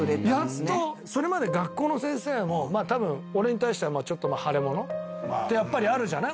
やっと、それまで学校の先生も、たぶん、俺に対しては、ちょっと腫れ物ってやっぱりあるじゃない？